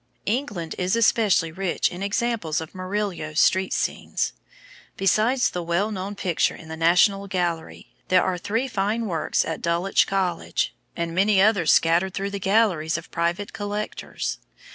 England is especially rich in examples of Murillo's street scenes. Besides the well known picture in the National Gallery, there are three fine works at Dulwich College, and many others scattered through the galleries of private collectors.